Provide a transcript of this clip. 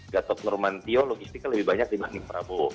gatot nurmantio logistiknya lebih banyak dibanding prabowo